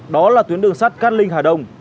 đó là tuyến đường sắt cát linh hà đông